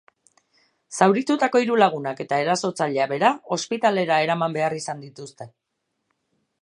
Zauritutako hiru lagunak eta erasotzailea bera ospitalera eraman behar izan dituzte.